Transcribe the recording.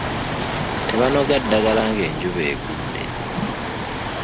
Tebanoga ddagala ng’enjuba egudde.